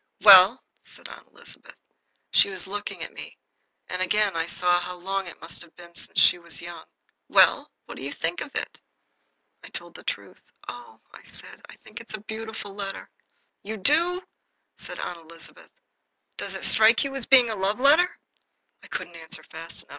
"Well?" said Aunt Elizabeth. She was looking at me, and again I saw how long it must have been since she was young. "Well, what do you think of it?" I told the truth. "Oh," said I, "I think it's a beautiful letter!" "You do!" said Aunt Elizabeth. "Does it strike you as being a love letter!" I couldn't answer fast enough.